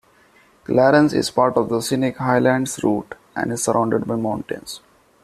Clarens is part of the scenic Highlands Route and is surrounded by mountains.